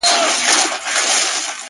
د قلمونو کتابونو کیسې-